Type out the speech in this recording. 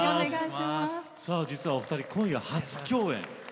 実はお二人、今夜初共演。